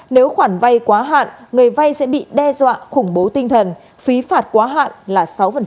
nếu khoản vay quá hạn người vay sẽ bị đe dọa khủng bố tinh thần phí phạt quá hạn là sáu